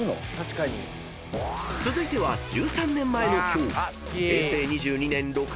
［続いては１３年前の今日］